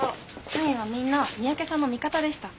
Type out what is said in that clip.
社員はみんな三宅さんの味方でした。